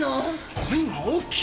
声が大きい！